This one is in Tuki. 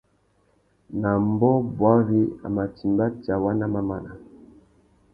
Nà ambōh bwari a mà timba tsawá nà mamana.